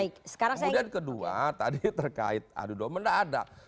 kemudian kedua tadi terkait aduh doang mendadak